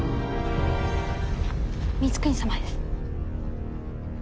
・光圀様です。